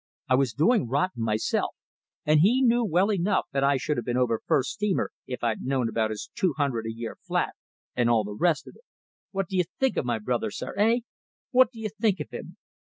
I was doing rotten myself, and he knew well enough that I should have been over first steamer if I'd known about his two hundred a year flat, and all the rest of it. What do you think of my brother, sir, eh? What do you think of him?